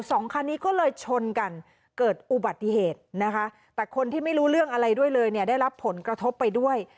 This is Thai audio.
สองคันนี้ก็เลยชนกันเกิดอุบัติเหตุนะคะแต่คนที่ไม่รู้เรื่องอะไรด้วยเลยเนี่ยได้รับผลกระทบไปด้วย